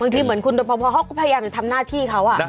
บางทีเหมือนคุณโรปภเขาก็พยายามจะทำหน้าที่เขา